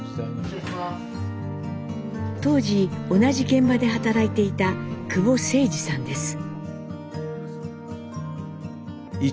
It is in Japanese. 当時同じ現場で働いていた久保成司さんです。